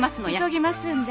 急ぎますんで。